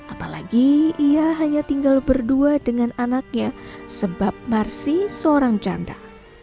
apalagi ia hanya tinggal berdua dengan anaknya sebab marsi seorang janda